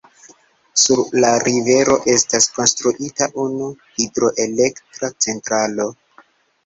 Sur la rivero estas konstruita unu hidroelektra centralo.